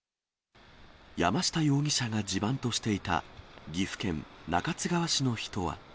山下容疑者が地盤としていた岐阜県中津川市の人は。